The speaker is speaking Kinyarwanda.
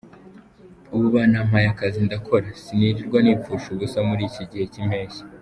Ubu banampaye akazi ndakora, sinirirwa nipfusha ubusa muri iki gihe cy’impeshyi.